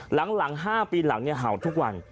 หลัง๕ปีห่างสกสุดทุกวัน